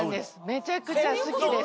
めちゃくちゃ好きです。